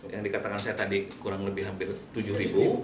yang dikatakan saya tadi kurang lebih hampir tujuh ribu